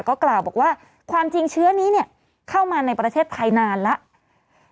ก็กล่าวบอกว่าความจริงเชื้อนี้เข้ามาในประเทศไทยนานแล้ว